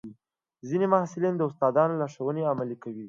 ځینې محصلین د استادانو لارښوونې عملي کوي.